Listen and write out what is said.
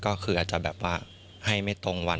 ก็คืออาจจะแบบว่าให้ไม่ตรงวัน